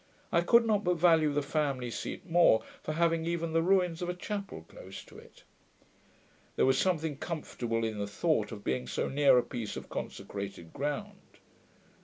I could not but value the family seat more, for having even the ruins of a chapel close to it. There was something comfortable in the thought of being so near a piece of consecrated ground.